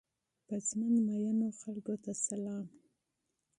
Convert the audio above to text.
په ژوند مئینو خلکو ته سلام!